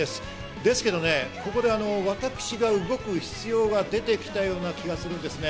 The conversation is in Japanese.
ですけどね、ここで私が動く必要が出てきたような気がするんですね。